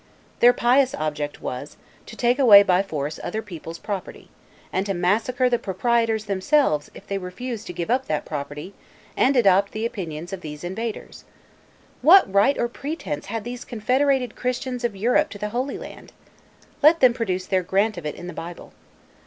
Their pious object was, to take away by force other people's property, and to massacre the proprietors themselves if they refused to give up that property, and adopt the opinions of these invaders. What right or pretense had these confederated Christians of Europe to the Holy Land? Let them produce their grant of it in the Bible.